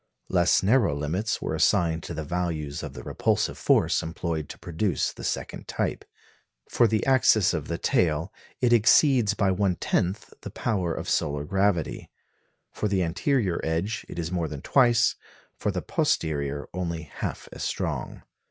Less narrow limits were assigned to the values of the repulsive force employed to produce the second type. For the axis of the tail, it exceeds by one tenth (= 1·1) the power of solar gravity; for the anterior edge, it is more than twice (2·2), for the posterior only half as strong.